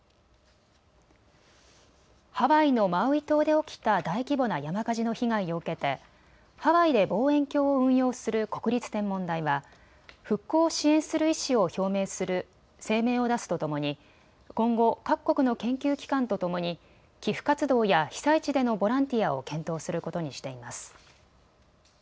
ハワイのマウイ島で起きた大規模な山火事の被害を受けてハワイで望遠鏡を運用する国立天文台は復興を支援する意思を表明する声明を出すとともに今後、各国の研究機関とともに寄付活動や被災地でのボランティアを検討することにしています。